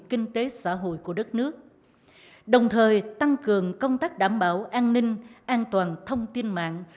kinh tế xã hội của đất nước đồng thời tăng cường công tác đảm bảo an ninh an toàn thông tin mạng